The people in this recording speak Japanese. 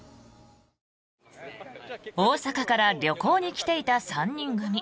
大阪から旅行に来ていた３人組。